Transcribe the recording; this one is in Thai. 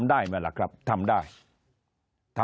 คนในวงการสื่อ๓๐องค์กร